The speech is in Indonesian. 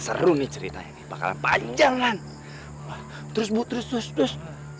seru nih cerita ini bakal panjang kan terus bu terus terus